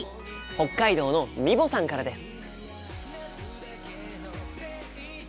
北海道のみぼさんからです。